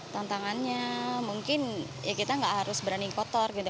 tantangannya mungkin ya kita nggak harus berani kotor gitu